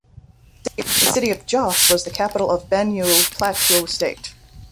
The city of Jos was the capital of Benue-Plateau State.